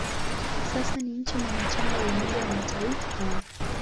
Sasa ni nchi mwanachama wa Umoja wa Mataifa.